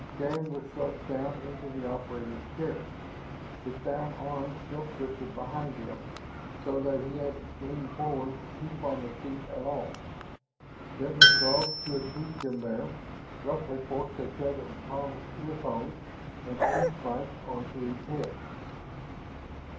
Shann was thrust down into the operator's chair, his bound arms still twisted behind him so that he had to lean forward to keep on the seat at all. Then the Throg who had pushed him there, roughly forced a set of com earphones and speech mike onto his head.